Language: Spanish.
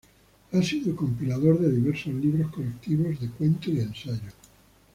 Ha sido compilador de diversos libros colectivos de cuento y ensayo.